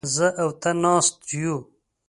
زه او ته ناست يوو.